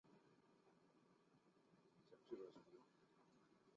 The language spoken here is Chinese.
同年十月派在大门当差。